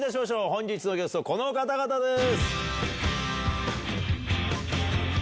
本日のゲスト、この方々です。